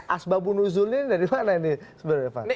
asbabun uzulnya ini dari mana ini sebenarnya fadli